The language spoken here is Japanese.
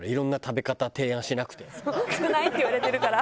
「少ない」っていわれてるから。